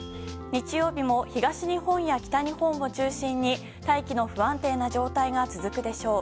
日曜日も東日本や北日本を中心に大気の不安定な状態が続くでしょう。